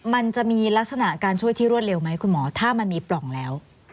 มันจะมีลักษณะการช่วยที่รวดเร็วไหมคุณหมอถ้ามันมีปล่องแล้ว